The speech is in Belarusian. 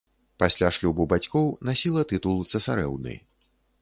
Пасля шлюбу бацькоў насіла тытул цэсарэўны.